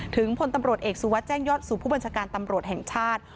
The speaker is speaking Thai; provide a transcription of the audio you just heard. พลตำรวจเอกสุวัสดิแจ้งยอดสู่ผู้บัญชาการตำรวจแห่งชาติ